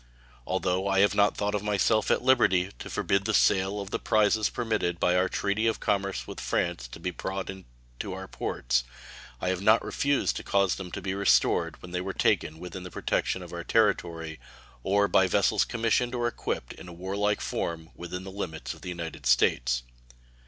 Although I have not thought of myself at liberty to forbid the sale of the prizes permitted by our treaty of commerce with France to be brought into our ports, I have not refused to cause them to be restored when they were taken within the protection of our territory, or by vessels commissioned or equipped in a warlike form within the limits of the United States.